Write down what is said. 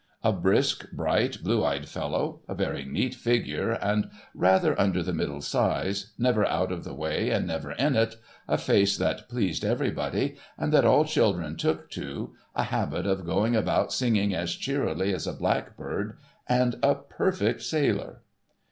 A brisk, bright, blue eyed fellow, a very neat figure and rather under the middle size, never out of the way and never in it, a face that pleased everybody and that all children took to, a habit of going about singing as cheerily as a blackbird, and a perfect sailor.